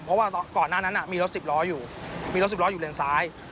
เพราะว่าก่อนหน้านั้นมีรถสิบล้ออยู่มีรถสิบล้ออยู่เลนซ้าย